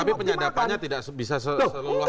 tapi penyadapannya tidak bisa seluas